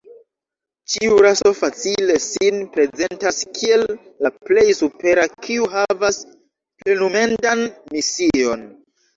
Ĉiu raso facile sin prezentas kiel la plej supera, kiu havas plenumendan mision.